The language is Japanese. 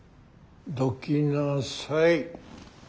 どきなさい。